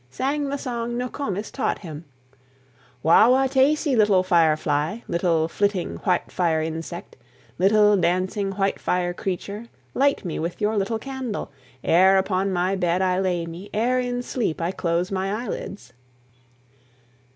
Sang the song Nokomis taught him: "Wah wah taysee, little fire fly, Little, flitting, white fire insect, Little, dancing, white fire creature, Light me with your little candle, Ere upon my bed I lay me, Ere in sleep I close my eyelids!"